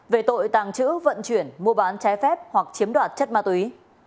về tội tàng trữ vận chuyển mua bán trái phép hoặc chiếm đoạt chất ma túy